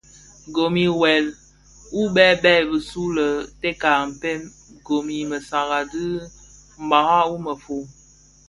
Gom i wuel u bèbèn bisu u teka a mpën gom I mësaga dhi mgbagban wu mefom.